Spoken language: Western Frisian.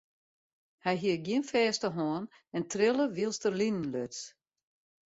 Hy hie gjin fêste hân en trille wylst er linen luts.